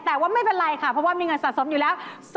แต่ว่าไม่เป็นไรค่ะเพราะว่ามีเงินสะสมอยู่แล้ว